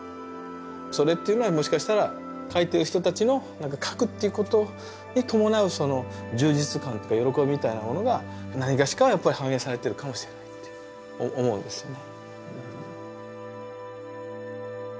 それっていうのはもしかしたら描いている人たちのなんか描くっていうことに伴うその充実感とか喜びみたいなものがなにがしか反映されてるかもしれないって思うんですよね。